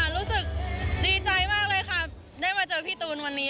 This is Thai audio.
รู้สึกดีใจมากเลยค่ะได้มาเจอพี่ตูนวันนี้